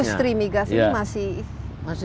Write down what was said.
industri migas ini masih